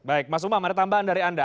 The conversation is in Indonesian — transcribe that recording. baik mas umar mana tambahan dari anda